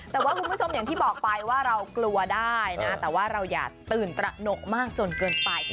แต่ว่าคุณผู้ชมอย่างที่บอกไปว่าเรากลัวได้นะแต่ว่าเราอย่าตื่นตระหนกมากจนเกินไป